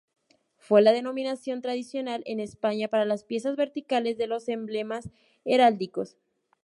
Fue la denominación tradicional en España para las piezas verticales de los emblemas heráldicos.